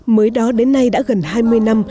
mới đó đến nay đã gần hai mươi năm